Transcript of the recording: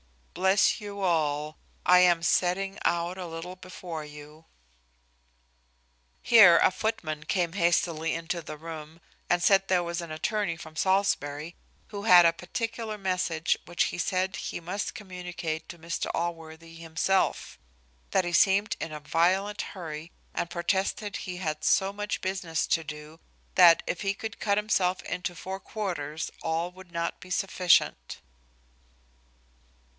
Bless you all. I am setting out a little before you." Here a footman came hastily into the room, and said there was an attorney from Salisbury who had a particular message, which he said he must communicate to Mr Allworthy himself: that he seemed in a violent hurry, and protested he had so much business to do, that, if he could cut himself into four quarters, all would not be sufficient.